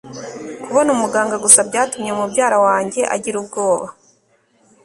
kubona umuganga gusa byatumye mubyara wanjye agira ubwoba